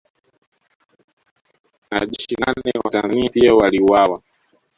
Wanajeshi nane wa Tanzania pia waliuawa